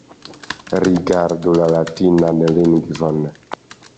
Rigardu la latinan lingvon.